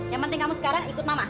yang penting kamu sekarang ikut mama